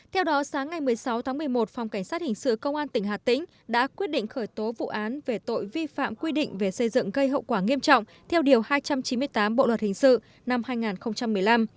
theo đó sáng ngày một mươi sáu tháng một mươi một phòng cảnh sát hình sự công an tỉnh hà tĩnh đã quyết định khởi tố vụ án về tội vi phạm quy định về xây dựng gây hậu quả nghiêm trọng theo điều hai trăm chín mươi tám bộ luật hình sự năm hai nghìn một mươi năm